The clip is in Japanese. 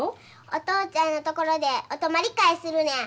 お父ちゃんの所でお泊まり会するねん。